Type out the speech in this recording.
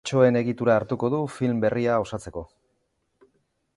Bertsoen egitura hartuko du film berria osatzeko.